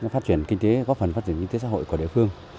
phát triển kinh tế góp phần phát triển kinh tế xã hội của địa phương